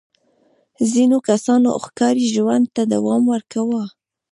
ځینو کسانو ښکاري ژوند ته دوام ورکاوه.